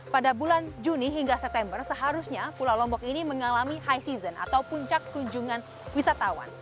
pada bulan juni hingga september seharusnya pulau lombok ini mengalami high season atau puncak kunjungan wisatawan